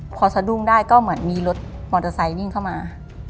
พอสะดุ้งได้ก็เหมือนมีรถมอเตอร์ไซค์วิ่งเข้ามา